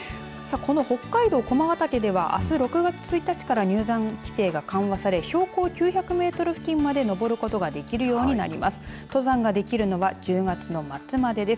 この北海道駒ケ岳ではあす６月１日から入山規制が緩和され標高９００メートル付近まで登ることができるようになります。